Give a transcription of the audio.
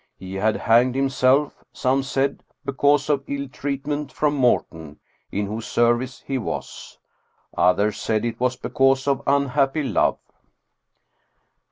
(He had hanged himself, some said because of ill treatment from Morten, in whose service he was. Others said it was because of unhappy love.)